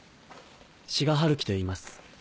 志賀春樹といいます